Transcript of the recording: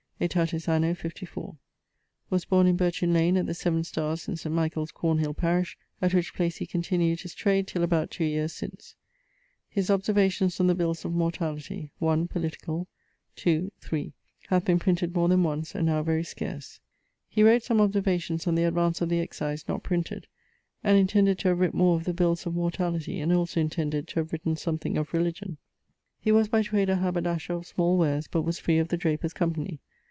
aetatis anno 54º. Was borne in Burchin lane, at the 7 Starres, in St. Michael's Cornhill parish, at which place he continued his trade till about 2 yeares since. {1. Political} His 'Observations on the bills of mortality {2. .....}' {3. .....} hath been printed more then once; and now very scarce. He wrott some 'Observations on the advance of the excise,' not printed; and intended to have writt more of the bills of mortality; and also intended to have written something of religion. He was by trade a haberdasher of small wares, but was free of the drapers' company.